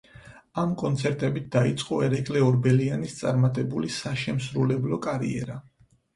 ამ კონცერტებით დაიწყო ერეკლე ორბელიანის წარმატებული საშემსრულებლო კარიერა.